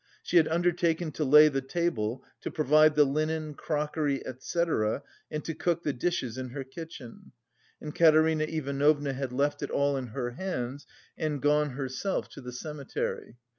She had undertaken to lay the table, to provide the linen, crockery, etc., and to cook the dishes in her kitchen, and Katerina Ivanovna had left it all in her hands and gone herself to the cemetery.